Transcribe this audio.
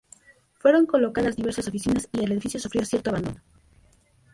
Fueron colocadas diversas oficinas y el edificio sufrió cierto abandono.